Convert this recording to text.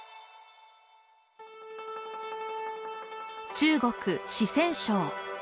中国・四川省。